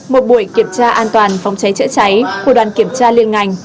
một buổi kiểm tra an toàn phòng cháy chữa cháy của đoàn kiểm tra liên ngành